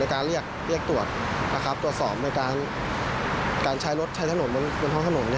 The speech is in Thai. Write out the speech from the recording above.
การเรียกตรวจตรวจสอบในการใช้รถใช้ถนนบนท้องถนน